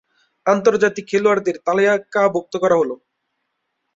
আন্তর্জাতিক খেলোয়াড়দের তালিকাভুক্ত করা হল।